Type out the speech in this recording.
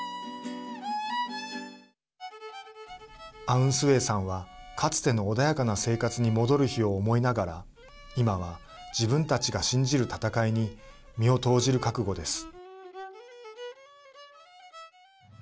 アウン・スウェイさんはかつての穏やかな生活に戻る日を思いながら今は、自分たちが信じる戦いに身を投じる覚悟です。